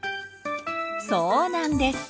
そうなんです。